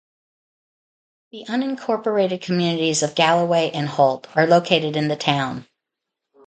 The unincorporated communities of Galloway and Holt are located in the town.